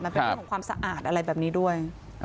มันเป็นเรื่องของความสะอาดอะไรแบบนี้ด้วย